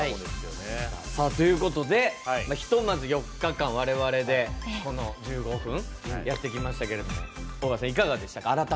さて、ということでひとまず４日間、我々でこの１５分やってきましたが尾形さん、いかがでしたか？